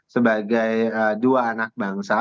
sebagai dua anak bangsa